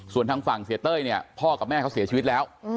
ส่วนทางฝั่งเสียเต้ยเนี่ยพ่อกับแม่เขาเสียชีวิตแล้ว